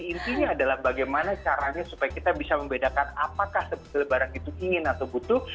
jadi intinya adalah bagaimana caranya supaya kita bisa membedakan apakah sebetulnya barang itu ingin atau butuh